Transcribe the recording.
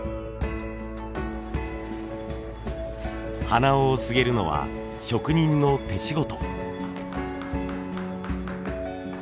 鼻緒をすげるのは職人の手仕事。